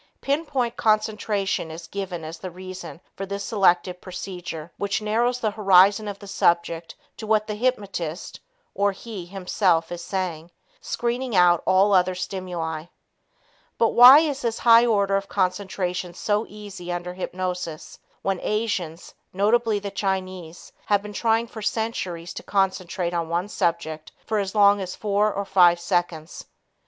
Pin point concentration is given as the reason for this selective procedure which narrows the horizon of the subject to what the hypnotist (or he, himself) is saying, screening out all other stimuli. But why is this high order of concentration so easy under hypnosis when Asians, notably the Chinese, have been trying for centuries to concentrate on one subject for as long as four or five seconds.